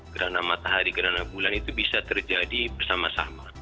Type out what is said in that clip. gerana matahari gerana bulan itu bisa terjadi bersama sama